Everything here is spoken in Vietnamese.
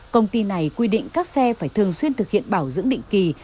công ty này quy định các xe phải thường xuyên thực hiện bảo dưỡng định kỳ